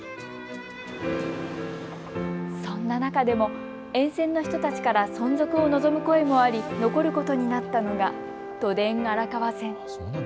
そんな中でも沿線の人たちから存続を望む声もあり残ることになったのが都電荒川線。